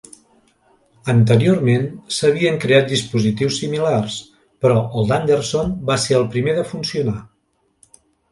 Anteriorment s'havien creat dispositius similars, però el d'Anderson va ser el primer de funcionar.